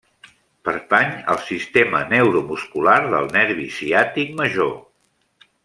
Pertany al sistema neuromuscular del nervi ciàtic major.